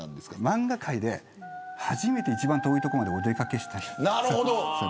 漫画界で初めて一番遠い所までお出掛けした人です。